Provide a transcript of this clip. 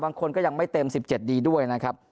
บางคนก็ยังไม่เต็ม๑๗ดีด้วยนะครับ